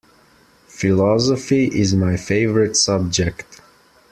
Philosophy is my favorite subject.